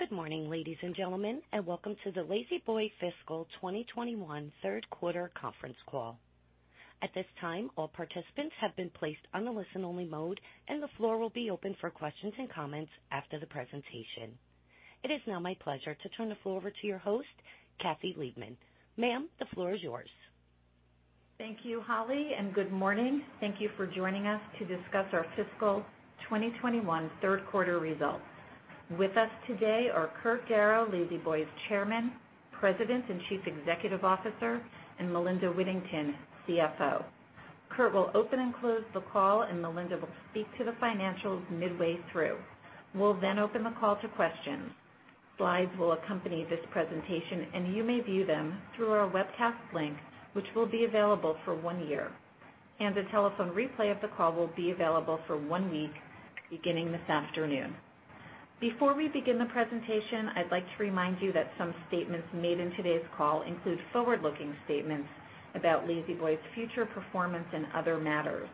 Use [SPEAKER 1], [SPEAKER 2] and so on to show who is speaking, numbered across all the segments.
[SPEAKER 1] Good morning, ladies and gentlemen, and welcome to the La-Z-Boy fiscal 2021 third quarter conference call. At this time, all participants have been placed on a listen-only mode, and the floor will be open for questions and comments after the presentation. It is now my pleasure to turn the floor over to your host, Kathy Liebmann. Ma'am, the floor is yours.
[SPEAKER 2] Thank you, Holly. Good morning. Thank you for joining us to discuss our fiscal 2021 third quarter results. With us today are Kurt Darrow, La-Z-Boy's Chairman, President, and Chief Executive Officer, and Melinda Whittington, CFO. Kurt will open and close the call, and Melinda will speak to the financials midway through. We'll open the call to questions. Slides will accompany this presentation, and you may view them through our webcast link, which will be available for one year. The telephone replay of the call will be available for one week, beginning this afternoon. Before we begin the presentation, I'd like to remind you that some statements made in today's call include forward-looking statements about La-Z-Boy's future performance and other matters.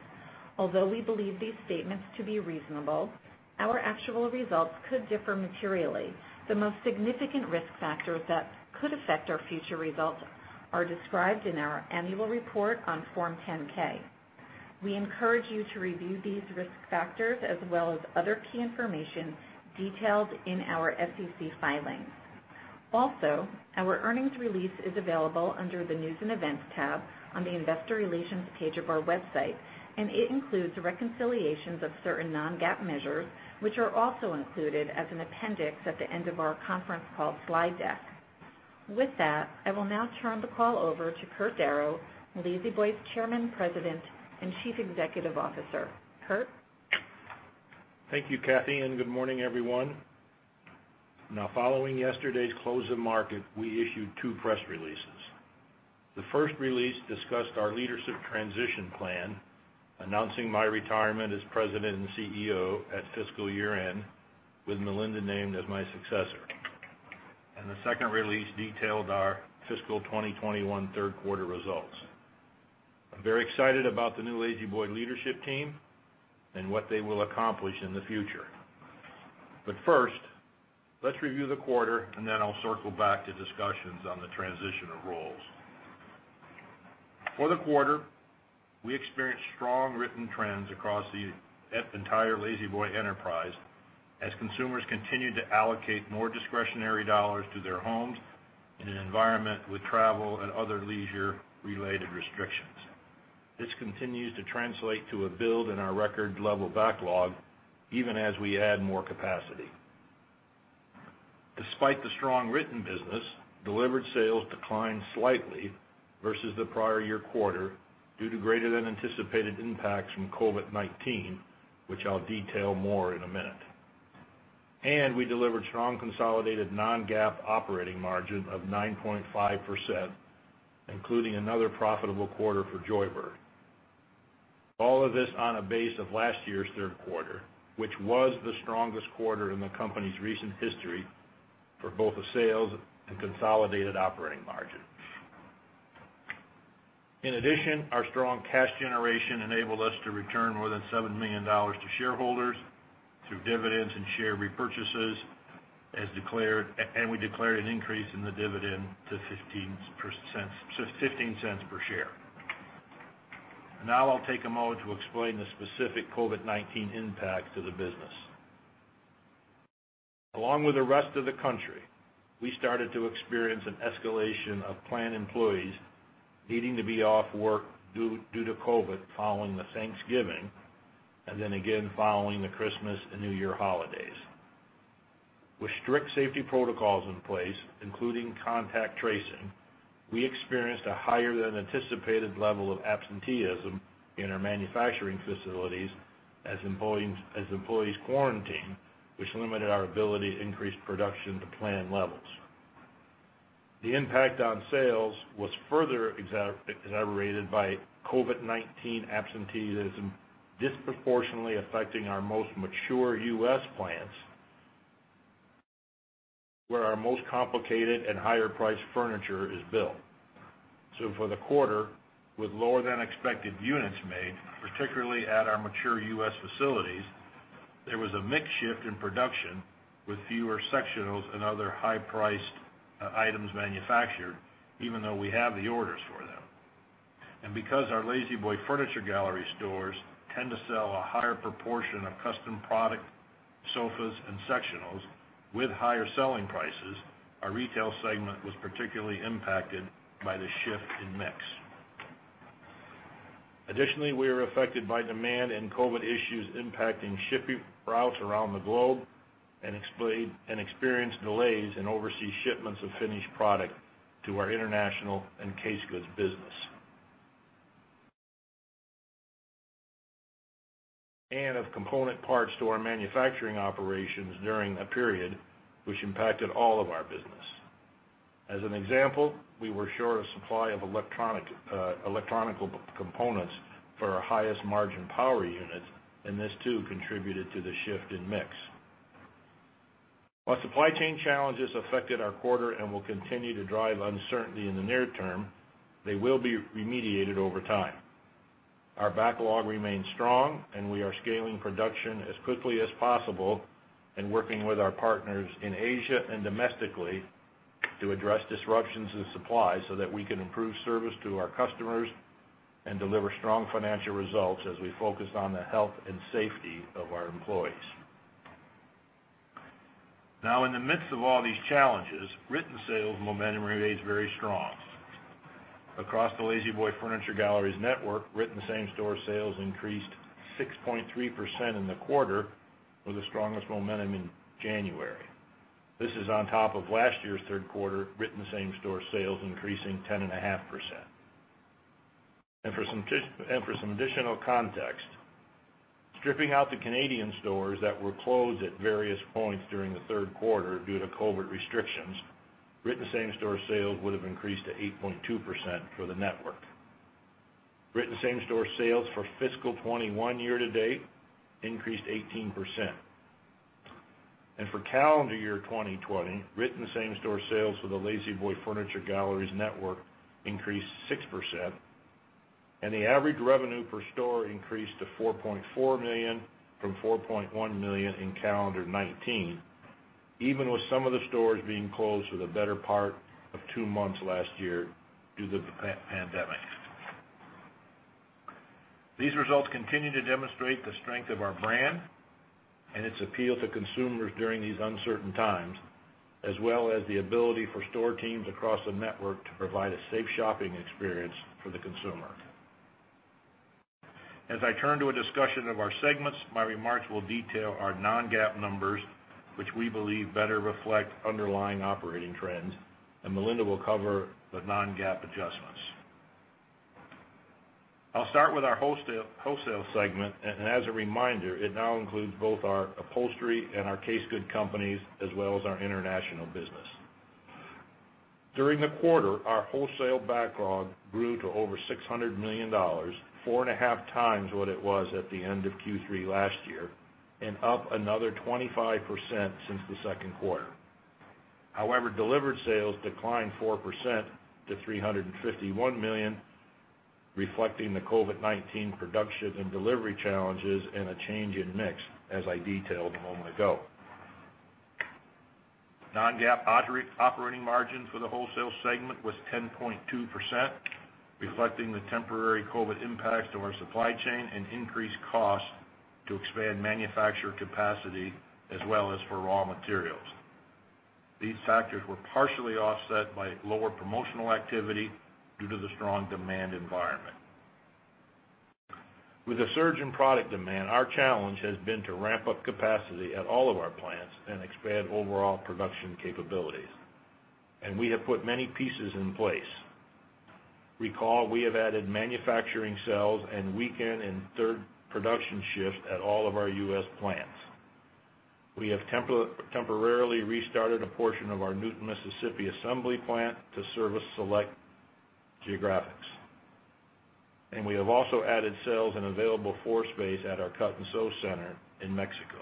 [SPEAKER 2] Although we believe these statements to be reasonable, our actual results could differ materially. The most significant risk factors that could affect our future results are described in our annual report on Form 10-K. We encourage you to review these risk factors as well as other key information detailed in our SEC filings. Our earnings release is available under the News & Events tab on the Investor Relations page of our website, and it includes the reconciliations of certain non-GAAP measures, which are also included as an appendix at the end of our conference call slide deck. With that, I will now turn the call over to Kurt Darrow, La-Z-Boy's Chairman, President, and Chief Executive Officer. Kurt?
[SPEAKER 3] Thank you, Kathy, and good morning, everyone. Now, following yesterday's close of market, we issued two press releases. The first release discussed our leadership transition plan, announcing my retirement as President and CEO at fiscal year-end, with Melinda named as my successor. The second release detailed our fiscal 2021 third quarter results. I'm very excited about the new La-Z-Boy leadership team and what they will accomplish in the future. First, let's review the quarter, and then I'll circle back to discussions on the transition of roles. For the quarter, we experienced strong written trends across the entire La-Z-Boy enterprise as consumers continued to allocate more discretionary dollars to their homes in an environment with travel and other leisure related restrictions. This continues to translate to a build in our record level backlog, even as we add more capacity. Despite the strong written business, delivered sales declined slightly versus the prior year quarter due to greater than anticipated impacts from COVID-19, which I'll detail more in a minute. We delivered strong consolidated non-GAAP operating margin of 9.5%, including another profitable quarter for Joybird. All of this on a base of last year's third quarter, which was the strongest quarter in the company's recent history for both the sales and consolidated operating margin. In addition, our strong cash generation enabled us to return more than $7 million to shareholders through dividends and share repurchases, and we declared an increase in the dividend to $0.15 per share. Now I'll take a moment to explain the specific COVID-19 impacts of the business. Along with the rest of the country, we started to experience an escalation of plant employees needing to be off work due to COVID following the Thanksgiving, and then again following the Christmas and New Year holidays. With strict safety protocols in place, including contact tracing, we experienced a higher than anticipated level of absenteeism in our manufacturing facilities as employees quarantine, which limited our ability to increase production to plan levels. The impact on sales was further exacerbated by COVID-19 absenteeism disproportionately affecting our most mature U.S. plants, where our most complicated and higher priced furniture is built. For the quarter, with lower than expected units made, particularly at our mature U.S. facilities, there was a mix shift in production with fewer sectionals and other high priced items manufactured, even though we have the orders for them. Because our La-Z-Boy Furniture Galleries stores tend to sell a higher proportion of custom product sofas and sectionals with higher selling prices, our retail segment was particularly impacted by the shift in mix. Additionally, we were affected by demand and COVID-19 issues impacting shipping routes around the globe and experienced delays in overseas shipments of finished product to our international and case goods business. Of component parts to our manufacturing operations during a period which impacted all of our business. As an example, we were short of supply of electronic components for our highest margin power units, and this too contributed to the shift in mix. While supply chain challenges affected our quarter and will continue to drive uncertainty in the near term, they will be remediated over time. Our backlog remains strong, and we are scaling production as quickly as possible and working with our partners in Asia and domestically to address disruptions in supply so that we can improve service to our customers and deliver strong financial results as we focus on the health and safety of our employees. In the midst of all these challenges, written sales momentum remains very strong. Across the La-Z-Boy Furniture Galleries network, written same-store sales increased 6.3% in the quarter, with the strongest momentum in January. This is on top of last year's third quarter written same-store sales increasing 10.5%. For some additional context, stripping out the Canadian stores that were closed at various points during the third quarter due to COVID restrictions, written same-store sales would have increased to 8.2% for the network. Written same-store sales for fiscal 2021 year to date increased 18%. For calendar year 2020, written same-store sales for the La-Z-Boy Furniture Galleries network increased 6%, and the average revenue per store increased to $4.4 million from $4.1 million in calendar 2019, even with some of the stores being closed for the better part of two months last year due to the pandemic. These results continue to demonstrate the strength of our brand and its appeal to consumers during these uncertain times, as well as the ability for store teams across the network to provide a safe shopping experience for the consumer. As I turn to a discussion of our segments, my remarks will detail our non-GAAP numbers, which we believe better reflect underlying operating trends, and Melinda will cover the non-GAAP adjustments. I'll start with our wholesale segment, and as a reminder, it now includes both our upholstery and our casegoods companies, as well as our international business. During the quarter, our wholesale backlog grew to over $600 million, four and a half times what it was at the end of Q3 last year, and up another 25% since Q2. Delivered sales declined 4% to $351 million, reflecting the COVID-19 production and delivery challenges and a change in mix, as I detailed a moment ago. Non-GAAP operating margin for the wholesale segment was 10.2%, reflecting the temporary COVID-19 impact to our supply chain and increased costs to expand manufacturer capacity as well as for raw materials. These factors were partially offset by lower promotional activity due to the strong demand environment. With a surge in product demand, our challenge has been to ramp up capacity at all of our plants and expand overall production capabilities. We have put many pieces in place. Recall, we have added manufacturing cells and weekend and third production shifts at all of our U.S. plants. We have temporarily restarted a portion of our Newton, Mississippi, assembly plant to service select geographics. We have also added cells and available floor space at our cut and sew center in Mexico.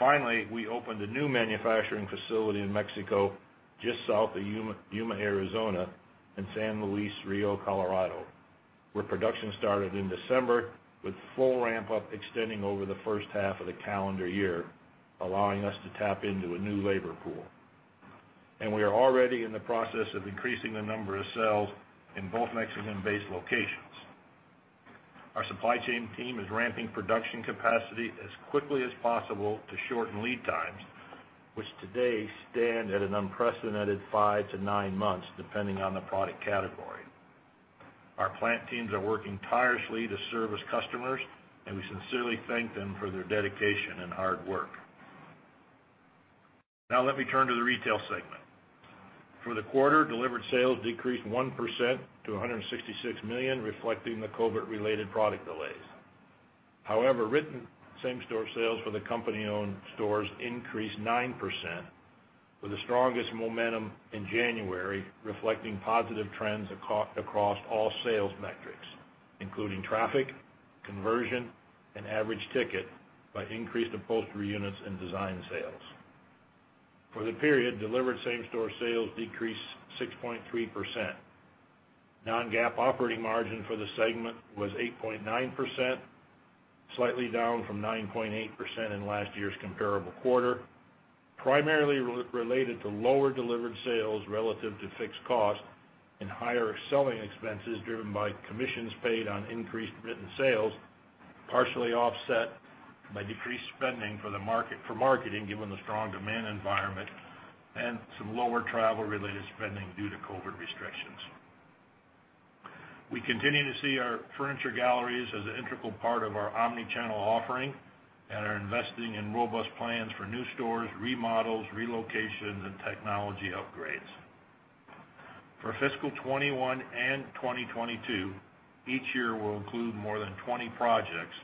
[SPEAKER 3] Finally, we opened a new manufacturing facility in Mexico, just south of Yuma, Arizona, in San Luis Río Colorado, where production started in December with full ramp-up extending over the first half of the calendar year, allowing us to tap into a new labor pool. We are already in the process of increasing the number of cells in both Mexican-based locations. Our supply chain team is ramping production capacity as quickly as possible to shorten lead times, which today stand at an unprecedented five to nine months, depending on the product category. Our plant teams are working tirelessly to service customers, and we sincerely thank them for their dedication and hard work. Now let me turn to the retail segment. For the quarter, delivered sales decreased 1% to $166 million, reflecting the COVID-19-related product delays. However, written same-store sales for the company-owned stores increased 9%, with the strongest momentum in January, reflecting positive trends across all sales metrics, including traffic, conversion, and average ticket by increased upholstery units and design sales. For the period, delivered same-store sales decreased 6.3%. Non-GAAP operating margin for the segment was 8.9%, slightly down from 9.8% in last year's comparable quarter, primarily related to lower delivered sales relative to fixed cost and higher selling expenses driven by commissions paid on increased written sales, partially offset by decreased spending for marketing given the strong demand environment and some lower travel-related spending due to COVID-19 restrictions. We continue to see our furniture galleries as an integral part of our omni-channel offering and are investing in robust plans for new stores, remodels, relocations, and technology upgrades. For fiscal 2021 and 2022, each year will include more than 20 projects,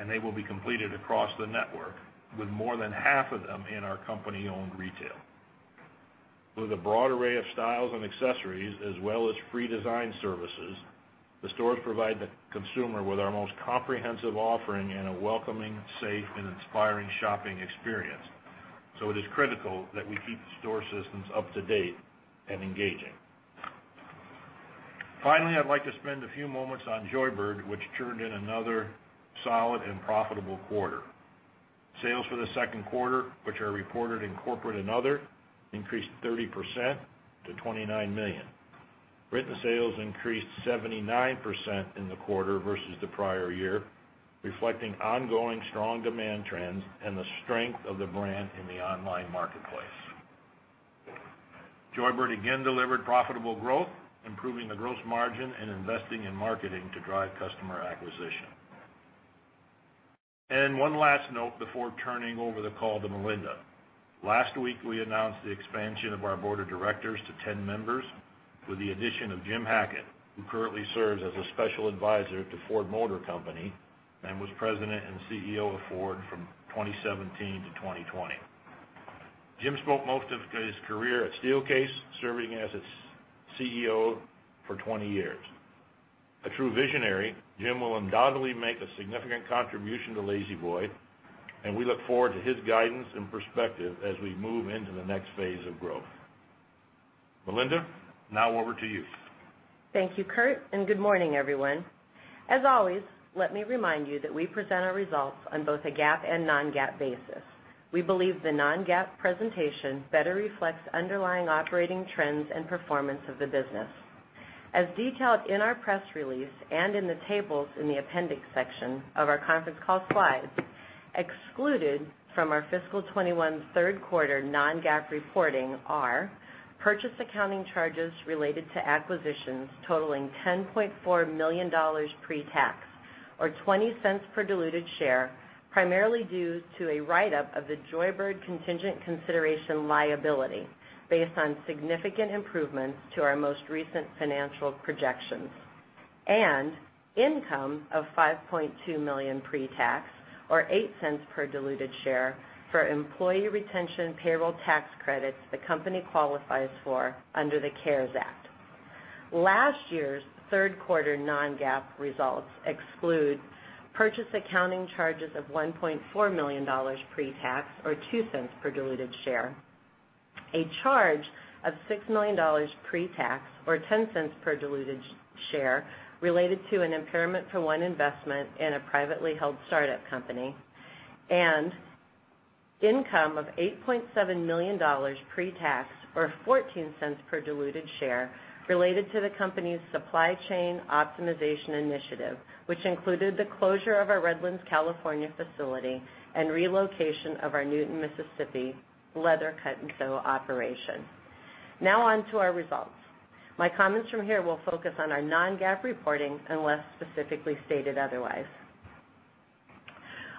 [SPEAKER 3] and they will be completed across the network, with more than half of them in our company-owned retail. With a broad array of styles and accessories, as well as free design services, the stores provide the consumer with our most comprehensive offering and a welcoming, safe, and inspiring shopping experience. It is critical that we keep the store systems up to date and engaging. Finally, I'd like to spend a few moments on Joybird, which turned in another solid and profitable quarter. Sales for the second quarter, which are reported in corporate and other, increased 30% to $29 million. Written sales increased 79% in the quarter versus the prior year, reflecting ongoing strong demand trends and the strength of the brand in the online marketplace. Joybird again delivered profitable growth, improving the gross margin and investing in marketing to drive customer acquisition. One last note before turning over the call to Melinda. Last week, we announced the expansion of our board of directors to 10 members with the addition of Jim Hackett, who currently serves as a Special Advisor to Ford Motor Company and was President and CEO of Ford from 2017 to 2020. Jim spent most of his career at Steelcase, serving as its CEO for 20 years. A true visionary, Jim will undoubtedly make a significant contribution to La-Z-Boy, and we look forward to his guidance and perspective as we move into the next phase of growth. Melinda, now over to you.
[SPEAKER 4] Thank you, Kurt, and good morning, everyone. As always, let me remind you that we present our results on both a GAAP and non-GAAP basis. We believe the non-GAAP presentation better reflects underlying operating trends and performance of the business. As detailed in our press release and in the tables in the appendix section of our conference call slides, excluded from our fiscal 2021 third quarter non-GAAP reporting are purchase accounting charges related to acquisitions totaling $10.4 million pre-tax, or $0.20 per diluted share, primarily due to a write-up of the Joybird contingent consideration liability based on significant improvements to our most recent financial projections, and income of $5.2 million pre-tax, or $0.08 per diluted share, for employee retention payroll tax credits the company qualifies for under the CARES Act. Last year's third quarter non-GAAP results exclude purchase accounting charges of $1.4 million pre-tax, or $0.02 per diluted share. A charge of $6 million pre-tax, or $0.10 per diluted share, related to an impairment for one investment in a privately held startup company, and income of $8.7 million pre-tax, or $0.14 per diluted share, related to the company's supply chain optimization initiative, which included the closure of our Redlands, California, facility and relocation of our Newton, Mississippi, leather cut-and-sew operation. On to our results. My comments from here will focus on our non-GAAP reporting unless specifically stated otherwise.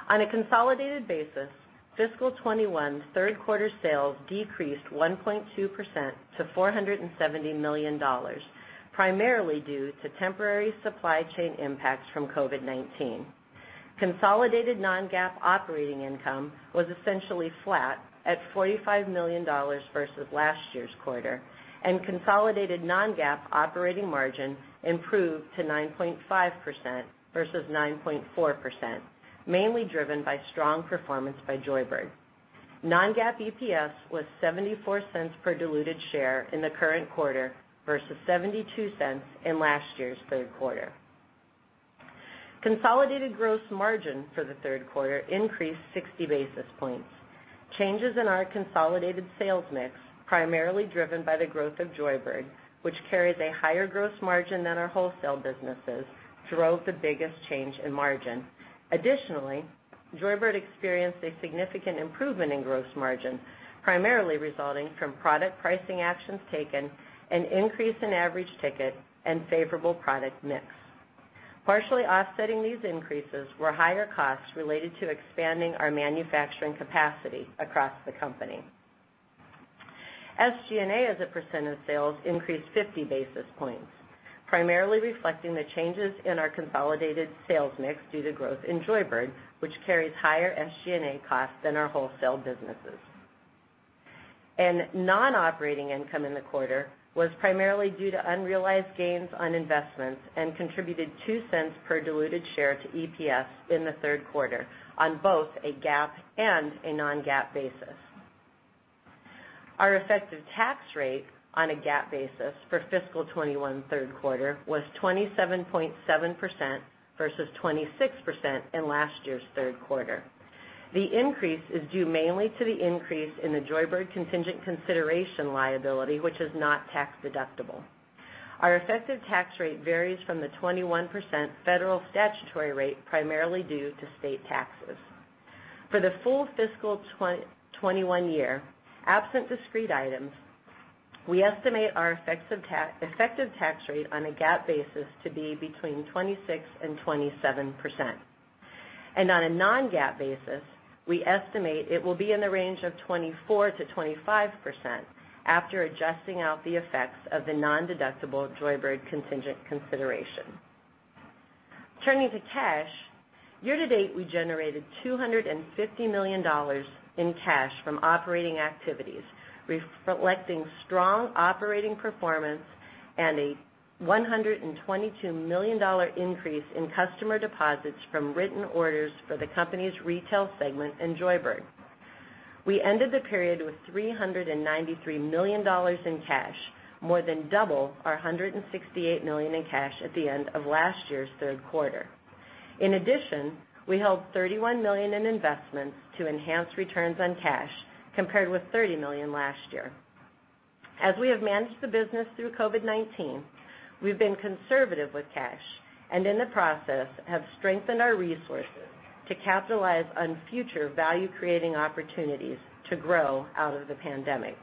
[SPEAKER 4] On a consolidated basis, fiscal 2021's third quarter sales decreased 1.2% to $470 million, primarily due to temporary supply chain impacts from COVID-19. Consolidated non-GAAP operating income was essentially flat at $45 million versus last year's quarter, and consolidated non-GAAP operating margin improved to 9.5% versus 9.4%, mainly driven by strong performance by Joybird. Non-GAAP EPS was $0.74 per diluted share in the current quarter versus $0.72 in last year's third quarter. Consolidated gross margin for the third quarter increased 60 basis points. Changes in our consolidated sales mix, primarily driven by the growth of Joybird, which carries a higher gross margin than our wholesale businesses, drove the biggest change in margin. Additionally, Joybird experienced a significant improvement in gross margin, primarily resulting from product pricing actions taken, an increase in average ticket, and favorable product mix. Partially offsetting these increases were higher costs related to expanding our manufacturing capacity across the company. SG&A as a percent of sales increased 50 basis points, primarily reflecting the changes in our consolidated sales mix due to growth in Joybird, which carries higher SG&A costs than our wholesale businesses. Non-operating income in the quarter was primarily due to unrealized gains on investments and contributed $0.02 per diluted share to EPS in the third quarter on both a GAAP and a non-GAAP basis. Our effective tax rate on a GAAP basis for fiscal 2021 third quarter was 27.7% versus 26% in last year's third quarter. The increase is due mainly to the increase in the Joybird contingent consideration liability, which is not tax-deductible. Our effective tax rate varies from the 21% federal statutory rate, primarily due to state taxes. For the full fiscal 2021 year, absent discrete items, we estimate our effective tax rate on a GAAP basis to be between 26% and 27%. On a non-GAAP basis, we estimate it will be in the range of 24%-25% after adjusting out the effects of the non-deductible Joybird contingent consideration. Turning to cash, year to date, we generated $250 million in cash from operating activities, reflecting strong operating performance and $122 million increase in customer deposits from written orders for the company's retail segment in Joybird. We ended the period with $393 million in cash, more than double our $168 million in cash at the end of last year's third quarter. In addition, we held $31 million in investments to enhance returns on cash, compared with $30 million last year. As we have managed the business through COVID-19, we've been conservative with cash, and in the process, have strengthened our resources to capitalize on future value-creating opportunities to grow out of the pandemic.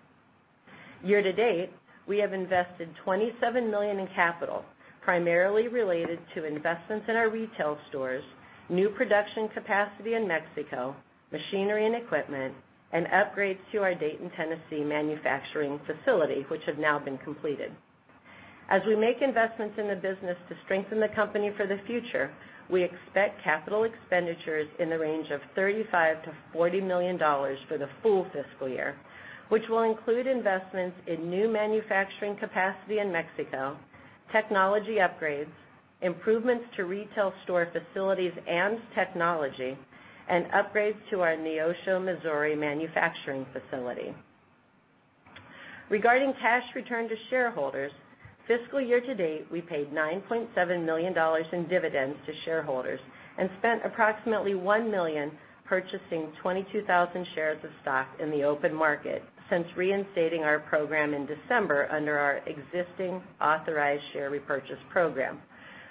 [SPEAKER 4] Year to date, we have invested $27 million in capital, primarily related to investments in our retail stores, new production capacity in Mexico, machinery and equipment, and upgrades to our Dayton, Tennessee, manufacturing facility, which have now been completed. As we make investments in the business to strengthen the company for the future, we expect capital expenditures in the range of $35 million-$40 million for the full fiscal year, which will include investments in new manufacturing capacity in Mexico, technology upgrades, improvements to retail store facilities and technology, and upgrades to our Neosho, Missouri, manufacturing facility. Regarding cash return to shareholders, fiscal year to date, we paid $9.7 million in dividends to shareholders and spent approximately $1 million purchasing 22,000 shares of stock in the open market since reinstating our program in December under our existing authorized share repurchase program,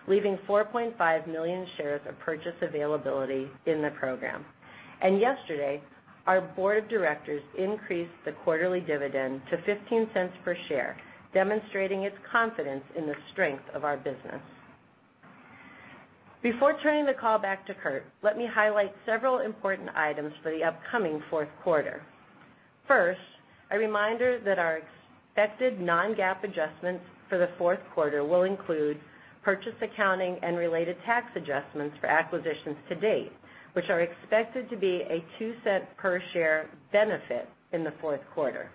[SPEAKER 4] leaving 4.5 million shares of purchase availability in the program. Yesterday, our board of directors increased the quarterly dividend to $0.15 per share, demonstrating its confidence in the strength of our business. Before turning the call back to Kurt, let me highlight several important items for the upcoming fourth quarter. First, a reminder that our expected non-GAAP adjustments for the fourth quarter will include purchase accounting and related tax adjustments for acquisitions to date, which are expected to be a $0.02 per share benefit in the fourth quarter.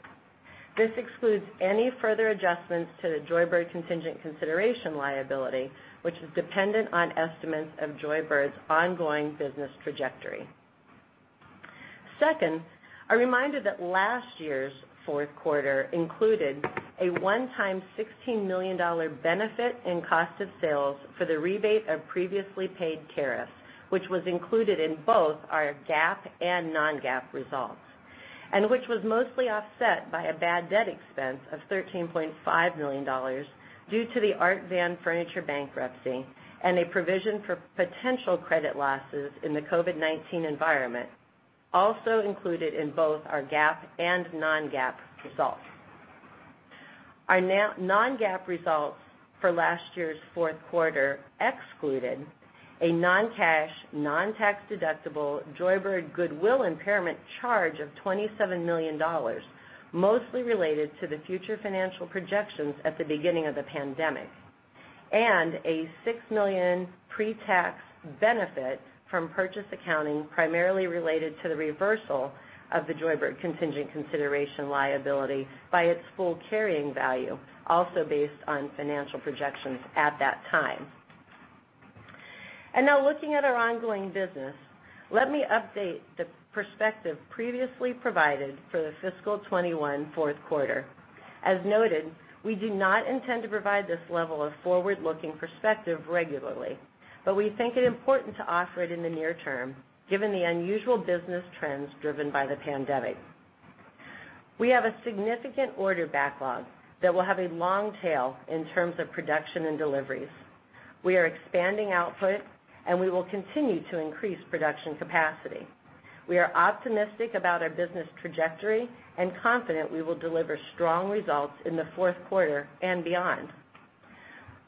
[SPEAKER 4] This excludes any further adjustments to the Joybird contingent consideration liability, which is dependent on estimates of Joybird's ongoing business trajectory. Second, a reminder that last year's fourth quarter included a one-time $16 million benefit in cost of sales for the rebate of previously paid tariffs, which was included in both our GAAP and non-GAAP results, and which was mostly offset by a bad debt expense of $13.5 million due to the Art Van Furniture bankruptcy and a provision for potential credit losses in the COVID-19 environment, also included in both our GAAP and non-GAAP results. Our non-GAAP results for last year's fourth quarter excluded a non-cash, non-tax deductible Joybird goodwill impairment charge of $27 million, mostly related to the future financial projections at the beginning of the pandemic, and a $6 million pre-tax benefit from purchase accounting primarily related to the reversal of the Joybird contingent consideration liability by its full carrying value, also based on financial projections at that time. Now looking at our ongoing business, let me update the perspective previously provided for the fiscal 2021 fourth quarter. As noted, we do not intend to provide this level of forward-looking perspective regularly, but we think it important to offer it in the near term, given the unusual business trends driven by the pandemic. We have a significant order backlog that will have a long tail in terms of production and deliveries. We are expanding output and we will continue to increase production capacity. We are optimistic about our business trajectory and confident we will deliver strong results in the fourth quarter and beyond.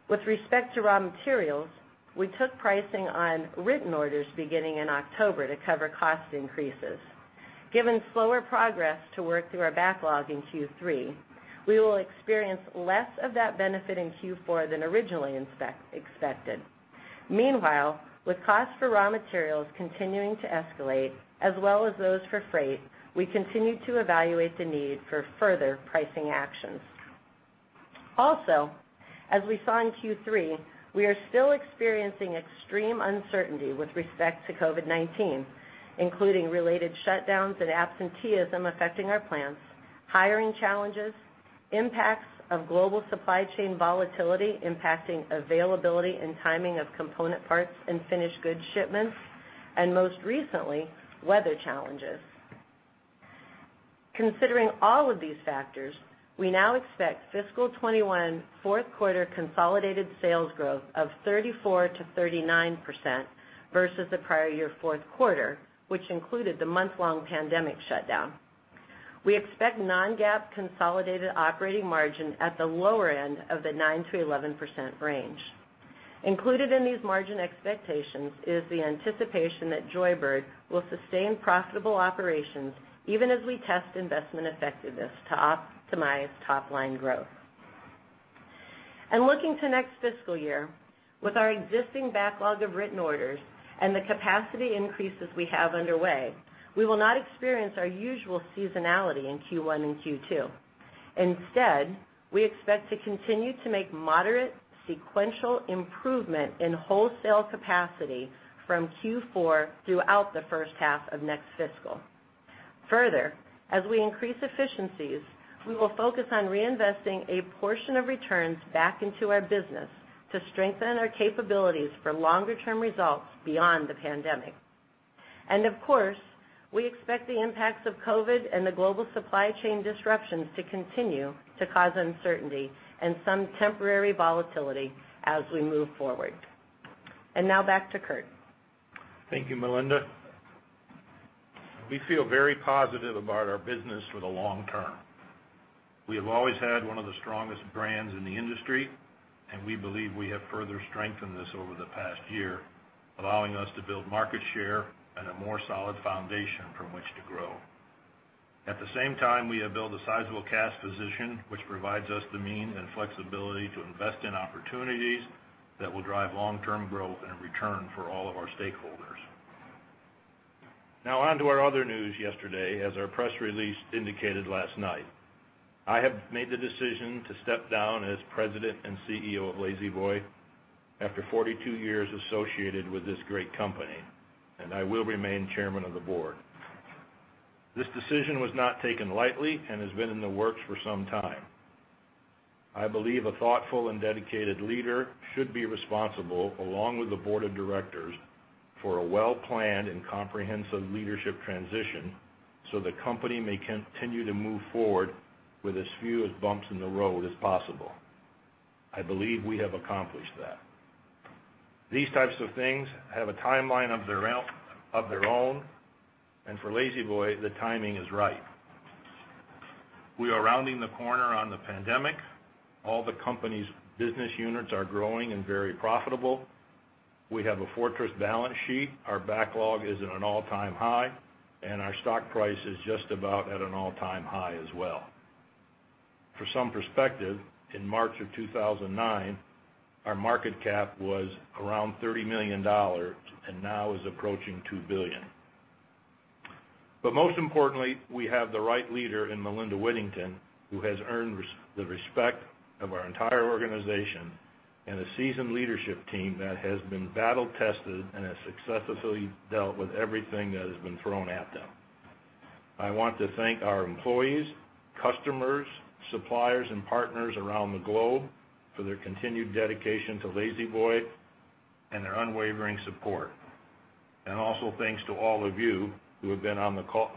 [SPEAKER 4] With respect to raw materials, we took pricing on written orders beginning in October to cover cost increases. Given slower progress to work through our backlog in Q3, we will experience less of that benefit in Q4 than originally expected. Meanwhile, with costs for raw materials continuing to escalate, as well as those for freight, we continue to evaluate the need for further pricing actions. As we saw in Q3, we are still experiencing extreme uncertainty with respect to COVID-19, including related shutdowns and absenteeism affecting our plants, hiring challenges, impacts of global supply chain volatility impacting availability and timing of component parts and finished goods shipments, and most recently, weather challenges. Considering all of these factors, we now expect fiscal 2021 fourth quarter consolidated sales growth of 34%-39% versus the prior year fourth quarter, which included the month-long pandemic shutdown. We expect non-GAAP consolidated operating margin at the lower end of the 9%-11% range. Included in these margin expectations is the anticipation that Joybird will sustain profitable operations even as we test investment effectiveness to optimize top-line growth. Looking to next fiscal year, with our existing backlog of written orders and the capacity increases we have underway, we will not experience our usual seasonality in Q1 and Q2. Instead, we expect to continue to make moderate sequential improvement in wholesale capacity from Q4 throughout the first half of next fiscal. Further, as we increase efficiencies, we will focus on reinvesting a portion of returns back into our business to strengthen our capabilities for longer-term results beyond the pandemic. Of course, we expect the impacts of COVID and the global supply chain disruptions to continue to cause uncertainty and some temporary volatility as we move forward. Now back to Kurt.
[SPEAKER 3] Thank you, Melinda. We feel very positive about our business for the long term. We have always had one of the strongest brands in the industry, and we believe we have further strengthened this over the past year, allowing us to build market share and a more solid foundation from which to grow. At the same time, we have built a sizable cash position, which provides us the means and flexibility to invest in opportunities that will drive long-term growth and return for all of our stakeholders. On to our other news yesterday, as our press release indicated last night. I have made the decision to step down as President and CEO of La-Z-Boy after 42 years associated with this great company, and I will remain Chairman of the Board. This decision was not taken lightly and has been in the works for some time. I believe a thoughtful and dedicated leader should be responsible, along with the Board of Directors, for a well-planned and comprehensive leadership transition so the company may continue to move forward with as few bumps in the road as possible. I believe we have accomplished that. These types of things have a timeline of their own, and for La-Z-Boy, the timing is right. We are rounding the corner on the pandemic. All the company's business units are growing and very profitable. We have a fortress balance sheet. Our backlog is at an all-time high, and our stock price is just about at an all-time high as well. For some perspective, in March of 2009, our market cap was around $30 million, and now is approaching $2 billion. Most importantly, we have the right leader in Melinda Whittington, who has earned the respect of our entire organization, and a seasoned leadership team that has been battle-tested and has successfully dealt with everything that has been thrown at them. I want to thank our employees, customers, suppliers, and partners around the globe for their continued dedication to La-Z-Boy and their unwavering support. Also thanks to all of you who have been on the call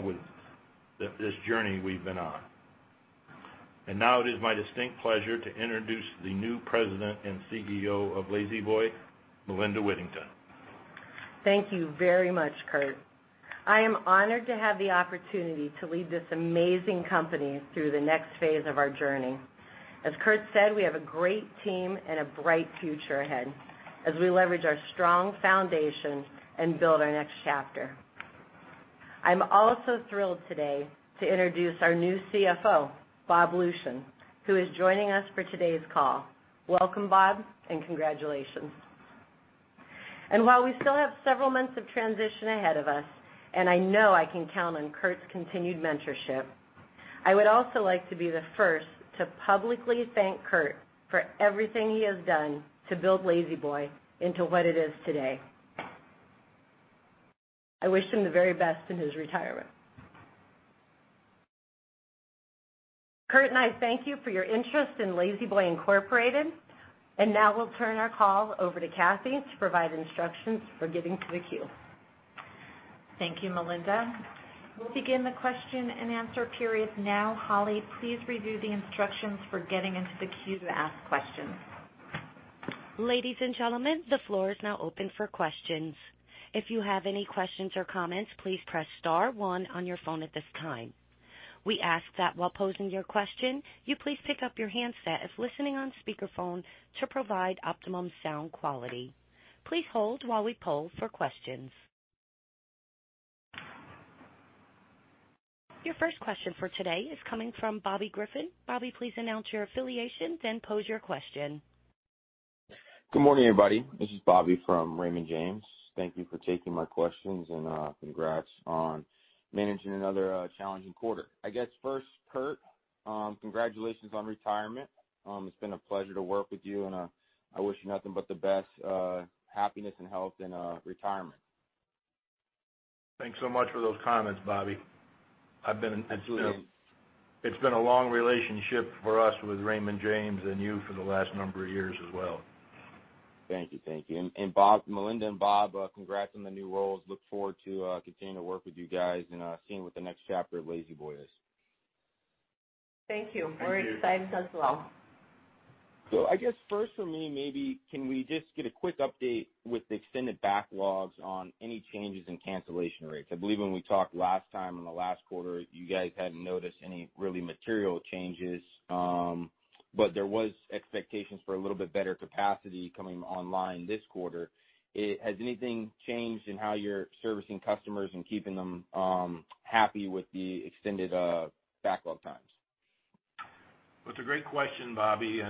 [SPEAKER 3] with this journey we've been on. Now it is my distinct pleasure to introduce the new President and CEO of La-Z-Boy, Melinda Whittington.
[SPEAKER 4] Thank you very much, Kurt. I am honored to have the opportunity to lead this amazing company through the next phase of our journey. As Kurt said, we have a great team and a bright future ahead as we leverage our strong foundation and build our next chapter. I'm also thrilled today to introduce our new CFO, Bob Lucian, who is joining us for today's call. Welcome, Bob, and congratulations. While we still have several months of transition ahead of us, and I know I can count on Kurt's continued mentorship, I would also like to be the first to publicly thank Kurt for everything he has done to build La-Z-Boy into what it is today. I wish him the very best in his retirement. Kurt and I thank you for your interest in La-Z-Boy Incorporated, and now we'll turn our call over to Kathy to provide instructions for getting to the queue.
[SPEAKER 2] Thank you, Melinda. We'll begin the question and answer period now. Holly, please review the instructions for getting into the queue to ask questions.
[SPEAKER 1] Ladies and gentlemen, the floor is now open for questions. If you have any questions or comments, please press star one on your phone at this time. We ask that while posing your question, you please pick up your handset if listening on speakerphone to provide optimum sound quality. Your first question for today is coming from Bobby Griffin. Bobby, please announce your affiliations and pose your question.
[SPEAKER 5] Good morning, everybody. This is Bobby from Raymond James. Thank you for taking my questions, and congrats on managing another challenging quarter. I guess first, Kurt, congratulations on retirement. It's been a pleasure to work with you, and I wish you nothing but the best happiness and health in retirement.
[SPEAKER 3] Thanks so much for those comments, Bobby.
[SPEAKER 5] Absolutely.
[SPEAKER 3] It's been a long relationship for us with Raymond James and you for the last number of years as well.
[SPEAKER 5] Thank you. Melinda and Bob, congrats on the new roles. Look forward to continuing to work with you guys and seeing what the next chapter of La-Z-Boy is.
[SPEAKER 4] Thank you.
[SPEAKER 3] Thank you.
[SPEAKER 4] We're excited as well.
[SPEAKER 5] I guess first for me, maybe can we just get a quick update with the extended backlogs on any changes in cancellation rates? I believe when we talked last time in the last quarter, you guys hadn't noticed any really material changes, but there was expectations for a little bit better capacity coming online this quarter. Has anything changed in how you're servicing customers and keeping them happy with the extended backlog time?
[SPEAKER 3] Well, it's a great question, Bobby.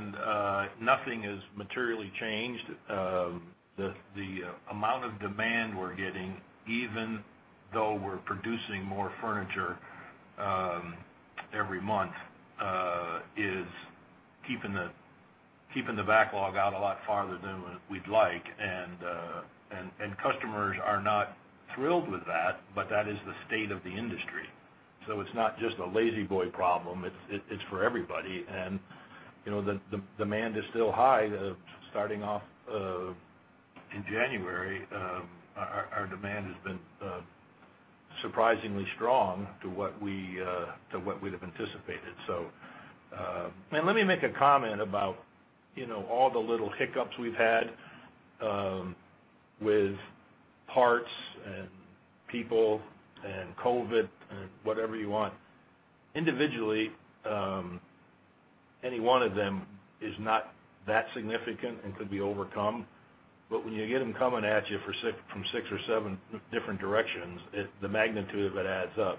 [SPEAKER 3] Nothing has materially changed. The amount of demand we're getting, even though we're producing more furniture every month, is keeping the backlog out a lot farther than we'd like. Customers are not thrilled with that, but that is the state of the industry. It's not just a La-Z-Boy problem, it's for everybody. The demand is still high. Starting off in January, our demand has been surprisingly strong to what we'd have anticipated. Let me make a comment about all the little hiccups we've had with parts and people and COVID and whatever you want. Individually, any one of them is not that significant and could be overcome, but when you get them coming at you from six or seven different directions, the magnitude of it adds up.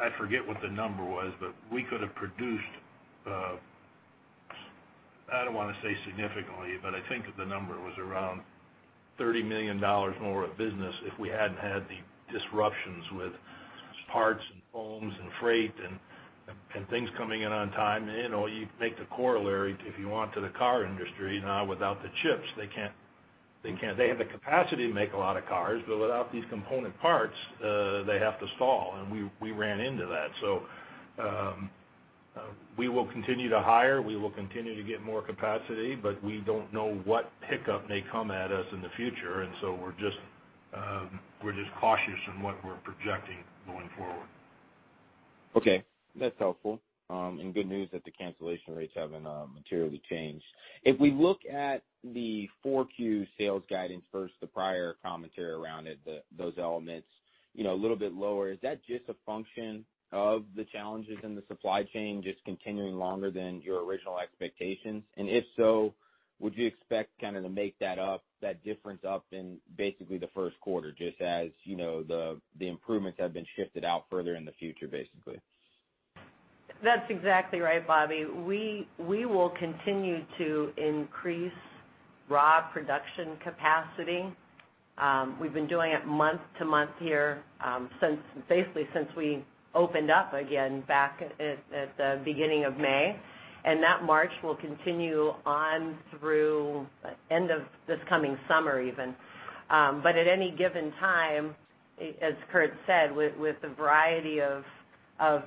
[SPEAKER 3] I forget what the number was, but we could have produced, I don't want to say significantly, but I think the number was $30 million more of business if we hadn't had the disruptions with parts and foams and freight and things coming in on time. You make the corollary, if you want, to the car industry now. Without the chips, they have the capacity to make a lot of cars, but without these component parts, they have to stall. We ran into that. We will continue to hire, we will continue to get more capacity, but we don't know what hiccup may come at us in the future. We're just cautious in what we're projecting going forward.
[SPEAKER 5] Okay. That's helpful. Good news that the cancellation rates haven't materially changed. If we look at the 4Q sales guidance first, the prior commentary around it, those elements a little bit lower, is that just a function of the challenges in the supply chain just continuing longer than your original expectations? If so, would you expect to make that difference up in basically the first quarter, just as the improvements have been shifted out further in the future, basically?
[SPEAKER 4] That's exactly right, Bobby. We will continue to increase raw production capacity. We've been doing it month to month here basically since we opened up again back at the beginning of May, and that march will continue on through end of this coming summer even. At any given time, as Kurt said, with the variety of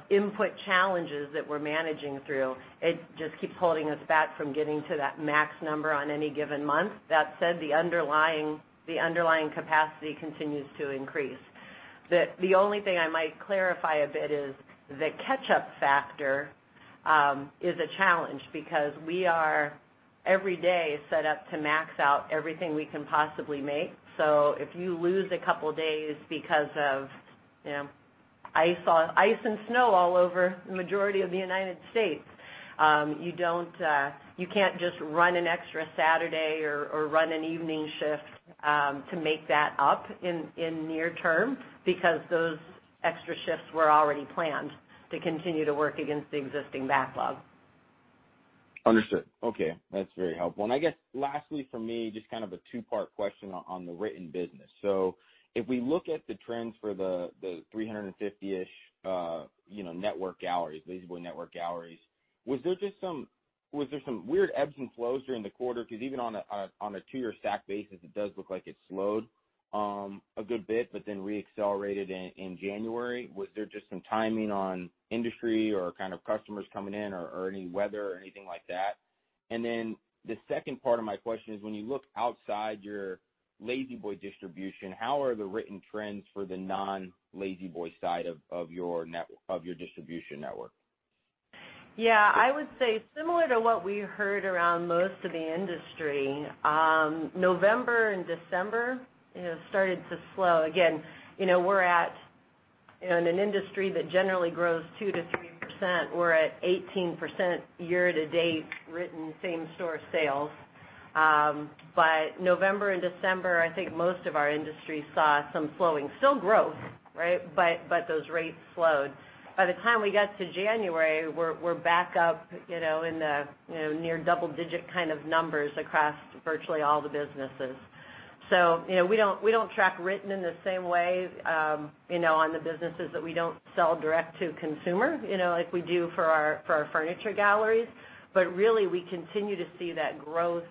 [SPEAKER 4] input challenges that we're managing through, it just keeps holding us back from getting to that max number on any given month. That said, the underlying capacity continues to increase. The only thing I might clarify a bit is the catch-up factor is a challenge because we are every day set up to max out everything we can possibly make. If you lose a couple days because of ice and snow all over the majority of the U.S., you can't just run an extra Saturday or run an evening shift to make that up in near term because those extra shifts were already planned to continue to work against the existing backlog.
[SPEAKER 5] Understood. Okay. That's very helpful. I guess lastly from me, just a two-part question on the written business. If we look at the trends for the 350-ish La-Z-Boy network galleries, was there some weird ebbs and flows during the quarter? Even on a two-year stack basis, it does look like it slowed a good bit, but then re-accelerated in January. Was there just some timing on industry or customers coming in or any weather or anything like that? The second part of my question is when you look outside your La-Z-Boy distribution, how are the written trends for the non La-Z-Boy side of your distribution network?
[SPEAKER 4] Yeah. I would say similar to what we heard around most of the industry. November and December started to slow. Again, we're in an industry that generally grows 2%-3%, we're at 18% year-to-date written same store sales. November and December, I think most of our industry saw some slowing. Still growth, but those rates slowed. By the time we got to January, we're back up in the near double-digit kind of numbers across virtually all the businesses. We don't track written in the same way on the businesses that we don't sell direct to consumer like we do for our furniture galleries. Really, we continue to see that growth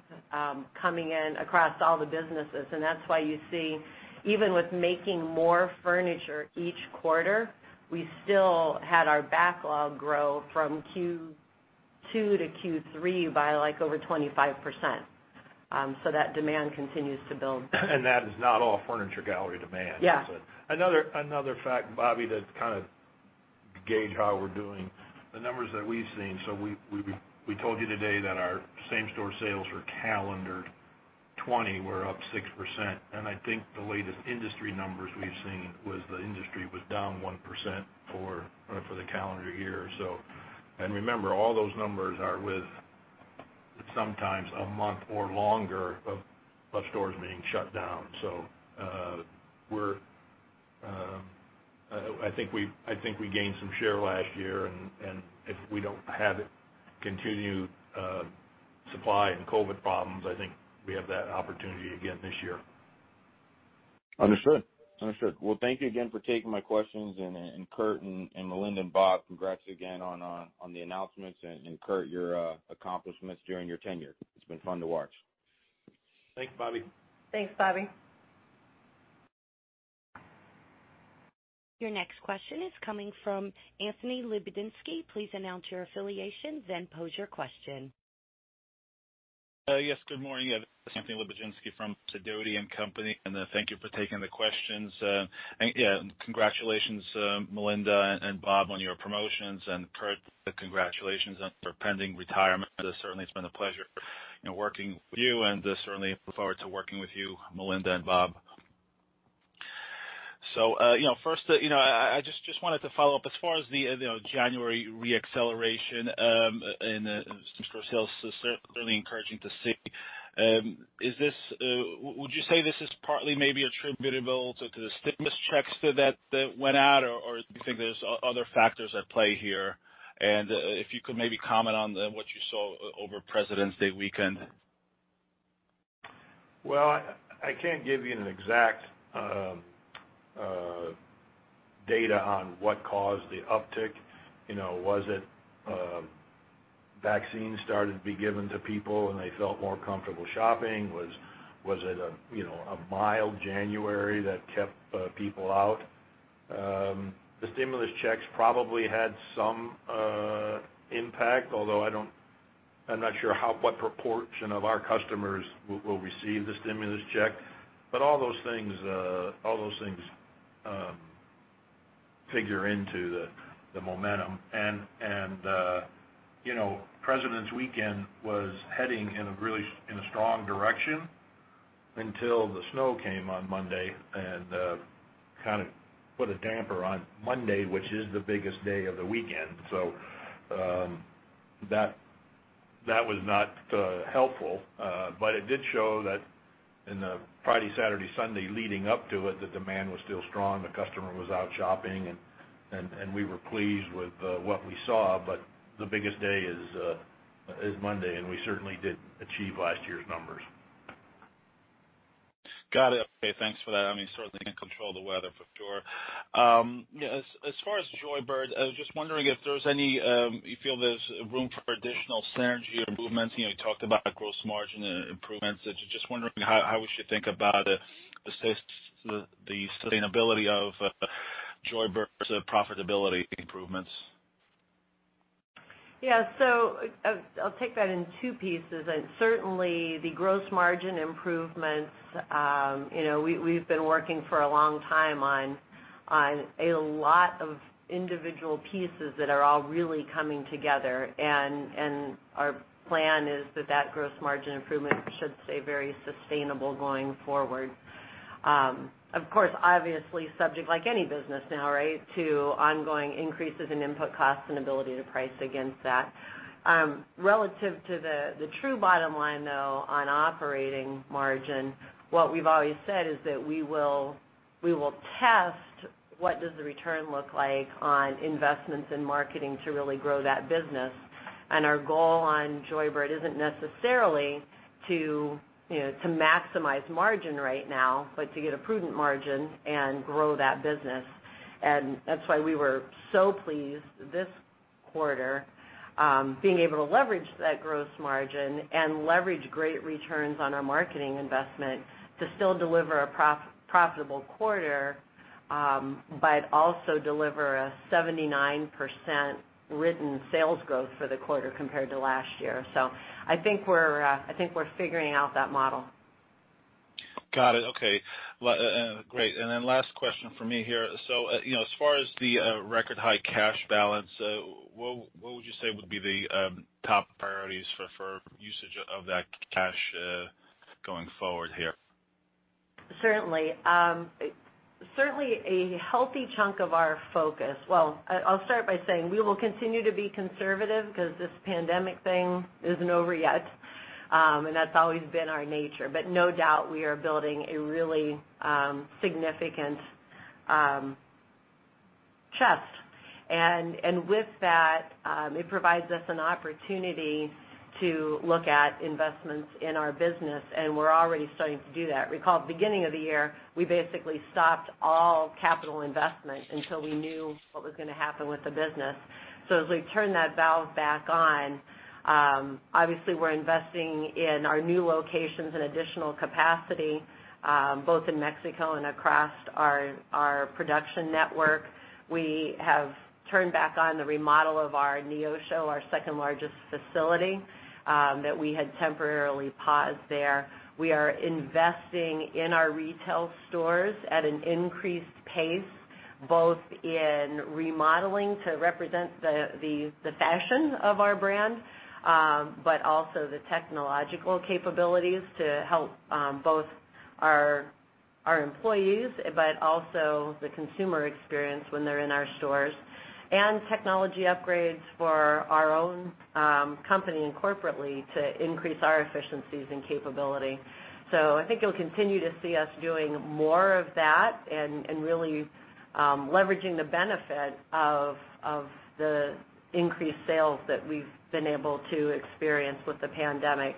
[SPEAKER 4] coming in across all the businesses. That's why you see, even with making more furniture each quarter, we still had our backlog grow from Q2 to Q3 by over 25%. That demand continues to build.
[SPEAKER 3] That is not all Furniture Galleries demand.
[SPEAKER 4] Yeah.
[SPEAKER 3] Another fact, Bobby, to gauge how we're doing, the numbers that we've seen. We told you today that our same store sales for calendar 2020 were up 6%. I think the latest industry numbers we've seen was the industry was down 1% for the calendar year. Remember, all those numbers are but sometimes a month or longer of stores being shut down. I think we gained some share last year. If we don't have continued supply and COVID problems, I think we have that opportunity again this year.
[SPEAKER 5] Understood. Well, thank you again for taking my questions and Kurt and Melinda and Bob, congrats again on the announcements and Kurt, your accomplishments during your tenure. It's been fun to watch.
[SPEAKER 3] Thanks, Bobby.
[SPEAKER 4] Thanks, Bobby.
[SPEAKER 1] Your next question is coming from Anthony Lebiedzinski. Please announce your affiliation then pose your question.
[SPEAKER 6] Good morning. Anthony Lebiedzinski from Sidoti & Company. Thank you for taking the questions. Congratulations Melinda and Bob on your promotions. Kurt, congratulations on your pending retirement. Certainly, it's been a pleasure working with you and certainly look forward to working with you, Melinda and Bob. First, I just wanted to follow up as far as the January re-acceleration in store sales is certainly encouraging to see. Would you say this is partly maybe attributable to the stimulus checks that went out or do you think there's other factors at play here? If you could maybe comment on what you saw over President's Day weekend?
[SPEAKER 3] Well, I can't give you an exact data on what caused the uptick. Was it vaccines started to be given to people and they felt more comfortable shopping? Was it a mild January that kept people out? The stimulus checks probably had some impact, although I'm not sure what proportion of our customers will receive the stimulus check. All those things figure into the momentum. President's weekend was heading in a strong direction until the snow came on Monday and put a damper on Monday, which is the biggest day of the weekend. That was not helpful. It did show that in the Friday, Saturday, Sunday leading up to it, the demand was still strong. The customer was out shopping and we were pleased with what we saw, but the biggest day is Monday, and we certainly didn't achieve last year's numbers.
[SPEAKER 6] Got it. Okay. Thanks for that. Certainly can't control the weather for sure. As far as Joybird, I was just wondering if you feel there's room for additional synergy or movements? You talked about gross margin improvements. Just wondering how we should think about the sustainability of Joybird's profitability improvements.
[SPEAKER 4] Yeah. I'll take that in two pieces and certainly the gross margin improvements. We've been working for a long time on a lot of individual pieces that are all really coming together, and our plan is that gross margin improvement should stay very sustainable going forward. Of course, obviously subject like any business now, to ongoing increases in input costs and ability to price against that. Relative to the true bottom line though, on operating margin, what we've always said is that we will test what does the return look like on investments in marketing to really grow that business and our goal on Joybird isn't necessarily to maximize margin right now, but to get a prudent margin and grow that business. That's why we were so pleased this quarter being able to leverage that gross margin and leverage great returns on our marketing investment to still deliver a profitable quarter but also deliver a 79% written sales growth for the quarter compared to last year. I think we're figuring out that model.
[SPEAKER 6] Got it. Okay. Great. Last question from me here. As far as the record high cash balance, what would you say would be the top priorities for usage of that cash going forward here?
[SPEAKER 4] Certainly, well, I'll start by saying we will continue to be conservative because this pandemic thing isn't over yet. That's always been our nature, but no doubt we are building a really significant chest. With that, it provides us an opportunity to look at investments in our business, and we're already starting to do that. Recall at the beginning of the year, we basically stopped all capital investment until we knew what was going to happen with the business. As we turn that valve back on, obviously we're investing in our new locations and additional capacity both in Mexico and across our production network. We have turned back on the remodel of our Neosho, our second largest facility that we had temporarily paused there. We are investing in our retail stores at an increased pace, both in remodeling to represent the fashion of our brand, but also the technological capabilities to help both our employees, but also the consumer experience when they're in our stores, and technology upgrades for our own company and corporately to increase our efficiencies and capability. I think you'll continue to see us doing more of that and really leveraging the benefit of the increased sales that we've been able to experience with the pandemic.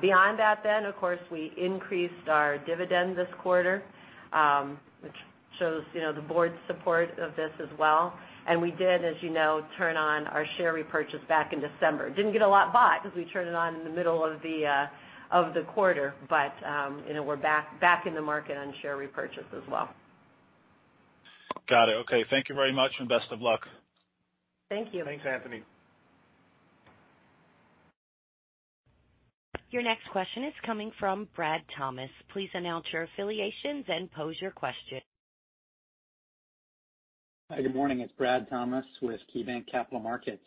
[SPEAKER 4] Beyond that then, of course, we increased our dividend this quarter, which shows the board's support of this as well. We did, as you know, turn on our share repurchase back in December. We didn't get a lot bought because we turned it on in the middle of the quarter. We're back in the market on share repurchase as well.
[SPEAKER 6] Got it. Okay. Thank you very much, and best of luck.
[SPEAKER 4] Thank you.
[SPEAKER 3] Thanks, Anthony.
[SPEAKER 1] Your next question is coming from Brad Thomas. Please announce your affiliations and pose your question.
[SPEAKER 7] Hi. Good morning. It's Brad Thomas with KeyBanc Capital Markets.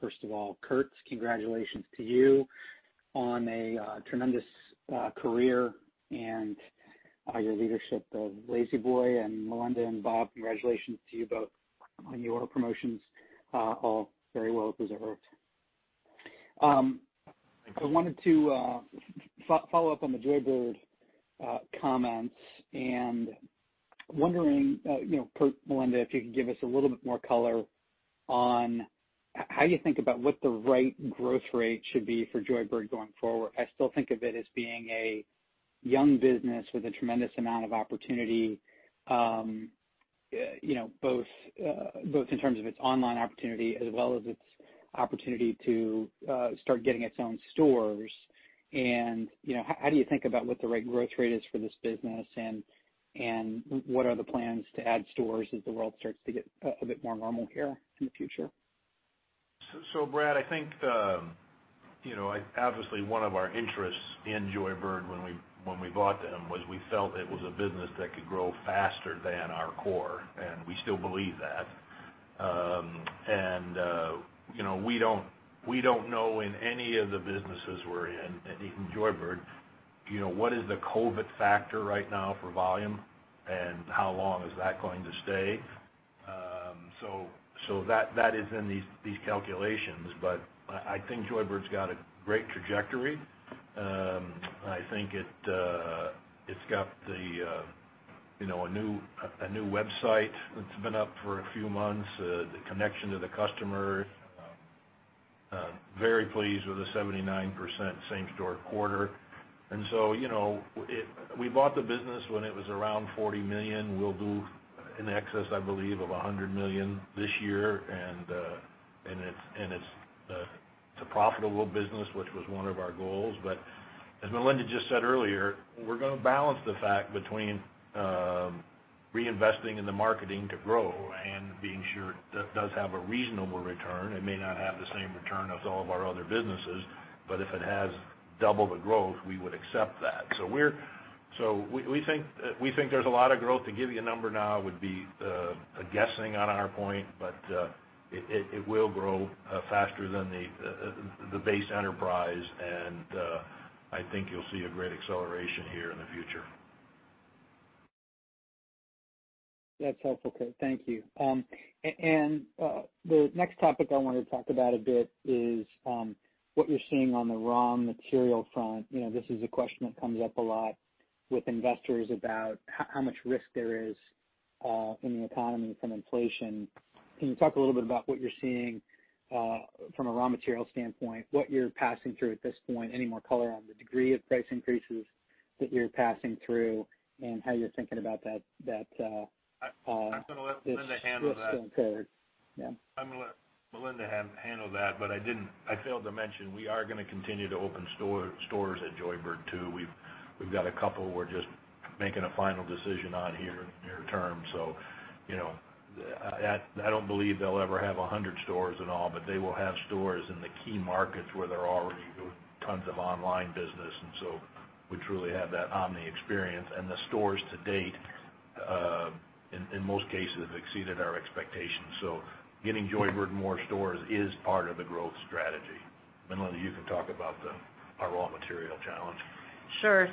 [SPEAKER 7] First of all, Kurt, congratulations to you on a tremendous career and your leadership of La-Z-Boy. Melinda and Bob, congratulations to you both on your promotions. All very well deserved.
[SPEAKER 3] Thank you.
[SPEAKER 7] I wanted to follow up on the Joybird comments and wondering, Melinda, if you could give us a little bit more color on how you think about what the right growth rate should be for Joybird going forward. I still think of it as being a young business with a tremendous amount of opportunity, both in terms of its online opportunity as well as its opportunity to start getting its own stores. How do you think about what the right growth rate is for this business? What are the plans to add stores as the world starts to get a bit more normal here in the future?
[SPEAKER 3] Brad, I think, obviously one of our interests in Joybird when we bought them was we felt it was a business that could grow faster than our core, and we still believe that. We don't know in any of the businesses we're in, and even Joybird, what is the COVID factor right now for volume and how long is that going to stay. That is in these calculations. I think Joybird's got a great trajectory. I think it's got a new website that's been up for a few months. The connection to the customer. Very pleased with the 79% same-store quarter. We bought the business when it was around $40 million. We'll do in excess, I believe, of $100 million this year. It's a profitable business, which was one of our goals. As Melinda just said earlier, we're going to balance the fact between reinvesting in the marketing to grow and being sure it does have a reasonable return. It may not have the same return as all of our other businesses, if it has double the growth, we would accept that. We think there's a lot of growth. To give you a number now would be a guessing on our point. It will grow faster than the base enterprise, and I think you'll see a great acceleration here in the future.
[SPEAKER 7] That's helpful, Kurt. Thank you. The next topic I want to talk about a bit is what you're seeing on the raw material front. This is a question that comes up a lot with investors about how much risk there is in the economy from inflation. Can you talk a little bit about what you're seeing from a raw material standpoint, what you're passing through at this point, any more color on the degree of price increases that you're passing through, and how you're thinking about that?
[SPEAKER 3] I'm going to let Melinda handle that.
[SPEAKER 7] risk going forward? Yeah.
[SPEAKER 3] I'm going to let Melinda handle that. I failed to mention we are going to continue to open stores at Joybird, too. We've got a couple we're just making a final decision on here near term. I don't believe they'll ever have 100 stores in all, but they will have stores in the key markets where they're already doing tons of online business. We truly have that omni experience. The stores to date, in most cases, have exceeded our expectations. Getting Joybird more stores is part of the growth strategy. Melinda, you can talk about our raw material challenge.
[SPEAKER 4] Sure.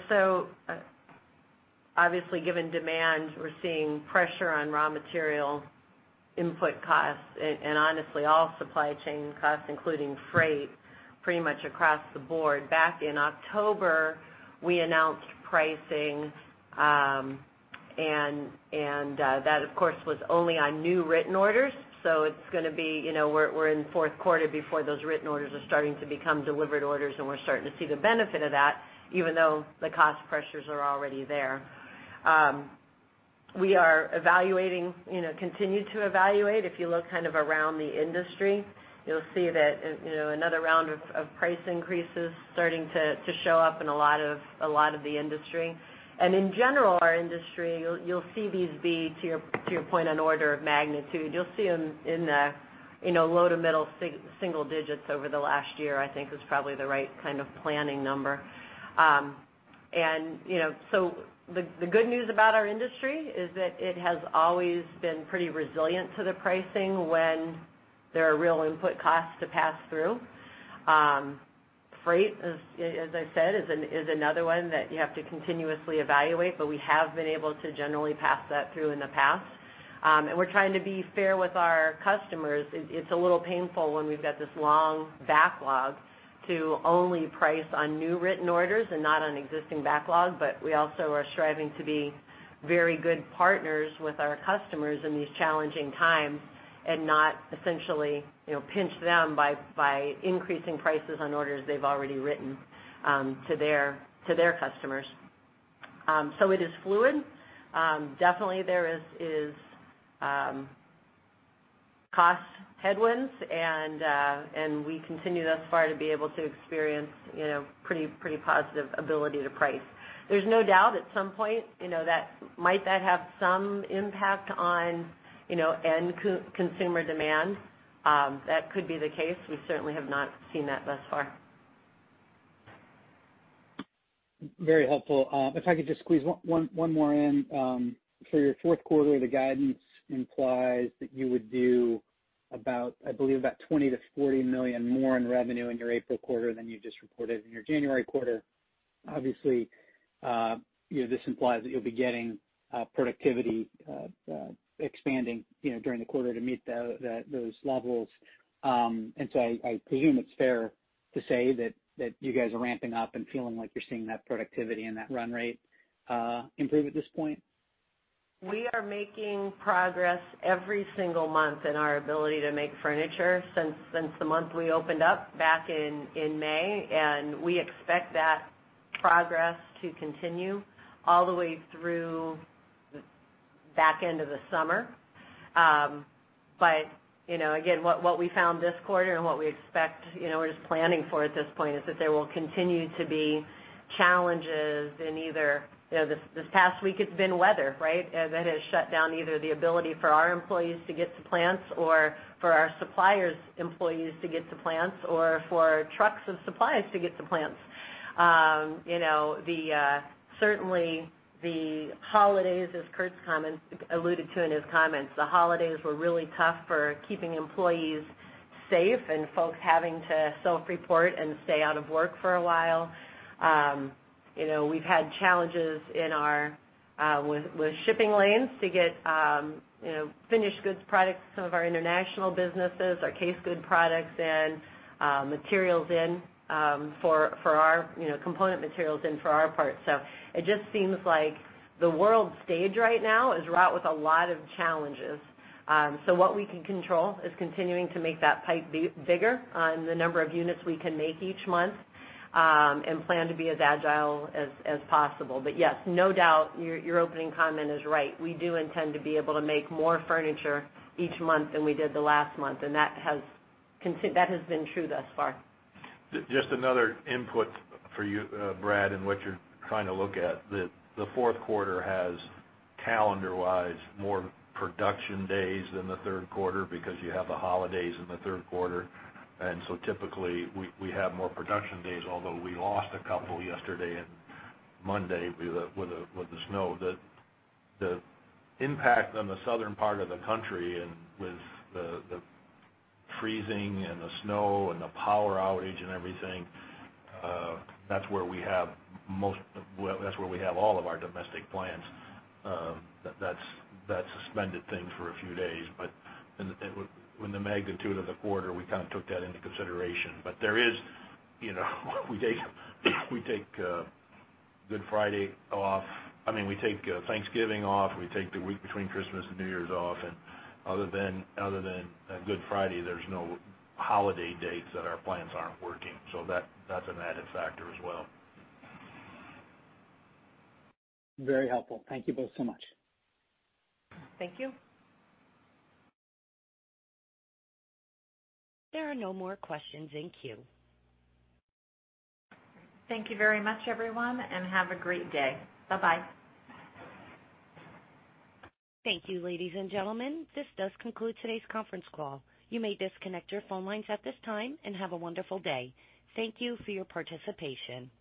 [SPEAKER 4] Obviously given demand, we're seeing pressure on raw material input costs and honestly all supply chain costs, including freight, pretty much across the board. Back in October, we announced pricing, that of course, was only on new written orders. It's going to be we're in fourth quarter before those written orders are starting to become delivered orders, and we're starting to see the benefit of that, even though the cost pressures are already there. We are evaluating, continue to evaluate. If you look around the industry, you'll see that another round of price increases starting to show up in a lot of the industry. In general, our industry, you'll see these be, to your point on order of magnitude, you'll see them in the low to middle single digits over the last year, I think, is probably the right kind of planning number. The good news about our industry is that it has always been pretty resilient to the pricing when there are real input costs to pass through. Freight, as I said, is another one that you have to continuously evaluate, but we have been able to generally pass that through in the past. We're trying to be fair with our customers. It's a little painful when we've got this long backlog to only price on new written orders and not on existing backlog, but we also are striving to be very good partners with our customers in these challenging times and not essentially pinch them by increasing prices on orders they've already written to their customers. It is fluid. Definitely, there is cost headwinds, and we continue thus far to be able to experience pretty positive ability to price. There's no doubt at some point, might that have some impact on end consumer demand? That could be the case. We certainly have not seen that thus far.
[SPEAKER 7] Very helpful. If I could just squeeze one more in. For your fourth quarter, the guidance implies that you would do about, I believe, about $20 million-$40 million more in revenue in your April quarter than you just reported in your January quarter. Obviously, this implies that you will be getting productivity expanding during the quarter to meet those levels. I presume it is fair to say that you guys are ramping up and feeling like you are seeing that productivity and that run rate improve at this point?
[SPEAKER 4] We are making progress every single month in our ability to make furniture since the month we opened up back in May, and we expect that progress to continue all the way through back end of the summer. Again, what we found this quarter and what we expect or just planning for at this point is that there will continue to be challenges. This past week it's been weather, right? That has shut down either the ability for our employees to get to plants or for our suppliers' employees to get to plants or for trucks of supplies to get to plants. Certainly the holidays, as Kurt's comments alluded to in his comments, the holidays were really tough for keeping employees safe and folks having to self-report and stay out of work for a while. We've had challenges with shipping lanes to get finished goods products to some of our international businesses, our case goods products in, materials in, component materials in for our parts. It just seems like the world stage right now is wrought with a lot of challenges. What we can control is continuing to make that pipe bigger on the number of units we can make each month, and plan to be as agile as possible. Yes, no doubt, your opening comment is right. We do intend to be able to make more furniture each month than we did the last month, and that has been true thus far.
[SPEAKER 3] Just another input for you, Brad, in what you're trying to look at. The fourth quarter has, calendar-wise, more production days than the third quarter because you have the holidays in the third quarter. Typically, we have more production days, although we lost 2 yesterday and Monday with the snow. The impact on the southern part of the country and with the freezing and the snow and the power outage and everything, that's where we have all of our domestic plants. That suspended things for a few days. With the magnitude of the quarter, we kind of took that into consideration. We take Good Friday off. I mean, we take Thanksgiving off. We take the week between Christmas and New Year's off, and other than Good Friday, there's no holiday dates that our plants aren't working. That's an added factor as well.
[SPEAKER 7] Very helpful. Thank you both so much.
[SPEAKER 4] Thank you.
[SPEAKER 1] There are no more questions in queue.
[SPEAKER 4] Thank you very much, everyone, and have a great day. Bye-bye.
[SPEAKER 1] Thank you, ladies and gentlemen. This does conclude today's conference call. You may disconnect your phone lines at this time, and have a wonderful day. Thank you for your participation.